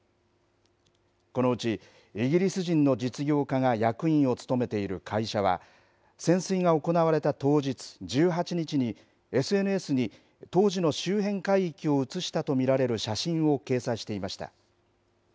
このうち、イギリス人の実業家が役員を務めている会社は、潜水が行われた当日、１８日に、ＳＮＳに当時の周辺海域を写したと見られる写真を掲載していました。